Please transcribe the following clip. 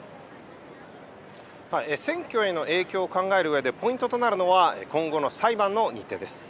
選挙への影響を考えるうえで、ポイントとなるのは、今後の裁判の日程です。